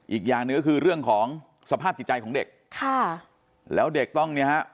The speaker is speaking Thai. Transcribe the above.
อีกอย่างหนึ่งก็คือเรื่องของสภาพจิตใจของเด็กค่ะแล้วเด็กต้องเนี่ยฮะ